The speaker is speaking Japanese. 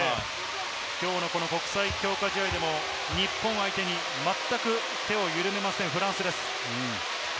きょうの国際強化試合でも日本相手にまったく手を緩めません、フランスです。